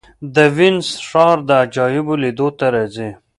د وینز ښار د عجایبو لیدو ته راځي.